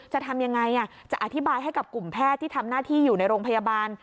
จะทำยังไงจะอธิบายให้กับกลุ่มแพทย์ที่ทำหน้าที่อยู่ในโรงพยาบาล